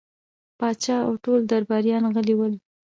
پاچا او ټول درباريان غلي ول.